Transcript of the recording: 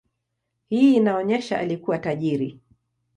Hii inaonyesha alikuwa tajiri.